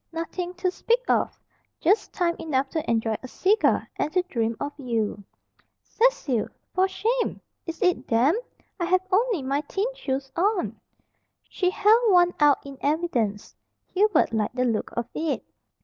"Nothing to speak of. Just time enough to enjoy a cigar and to dream of you." "Cecil! For shame! Is it damp? I have only my thin shoes on." She held one out in evidence. Hubert liked the look of it.